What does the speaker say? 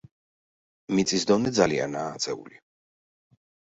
მიწის დონე ძალიანაა აწეული.